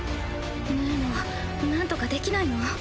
ヌーノなんとかできないの？